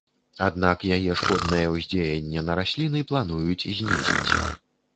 Аднак яе шкоднае ўздзеянне на расліны плануюць знізіць.